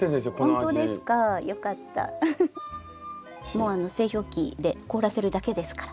もう製氷機で凍らせるだけですから。